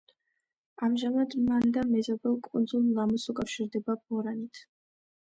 ამჟამად მანდა მეზობელ კუნძულ ლამუს უკავშირდება ბორანით.